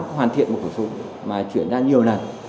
hoàn thiện một khẩu súng mà chuyển ra nhiều lần